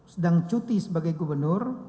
sedang cuti sebagai gubernur